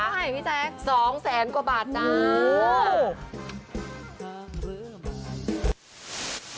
ใช่พี่แจ๊ค๒๐๐บาทจ้างโอ้โห